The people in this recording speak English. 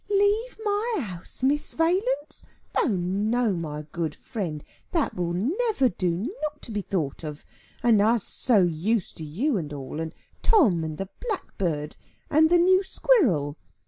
"Leave my house, Miss Valence! No, no, my good friend, that will never do, not to be thought of, and us so used to you and all, and Tom, and the blackbird, and the new squirrel!